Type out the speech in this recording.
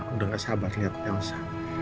udah gak sabar liat elsa